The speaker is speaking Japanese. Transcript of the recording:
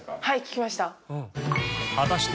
はい聴きました